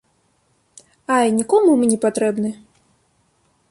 Ай, нікому мы не патрэбны.